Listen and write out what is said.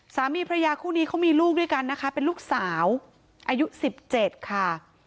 สามีพระยาคู่นี้เขามีลูกด้วยกันนะคะเป็นลูกสาวอายุ๑๗ค่ะ